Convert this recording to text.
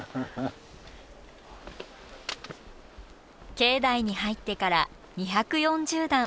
境内に入ってから２４０段。